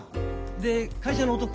で会社の男かい？